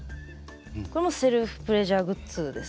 これもセルフプレジャーグッズです。